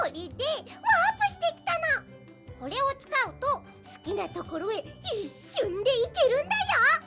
これをつかうとすきなところへいっしゅんでいけるんだよ。